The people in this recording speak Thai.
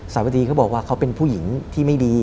สาวดีเขาบอกว่าเขาเป็นผู้หญิงที่ไม่ดี